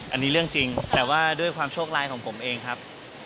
อันนี้เรื่องจริงแต่ว่าด้วยความโชคร้ายของผมเองครับ